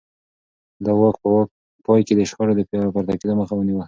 ده د واک په پای کې د شخړو د بيا راپورته کېدو مخه ونيوه.